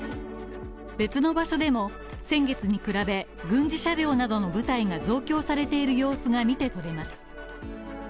別の場所でも、先月に比べ軍事車両などの部隊が増強されている様子が見て取れます。